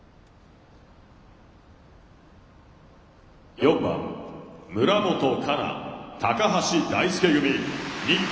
４番村元哉中、高橋大輔組、日本。